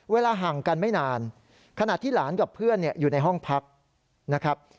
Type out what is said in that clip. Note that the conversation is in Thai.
ห่างกันไม่นานขณะที่หลานกับเพื่อนอยู่ในห้องพักนะครับ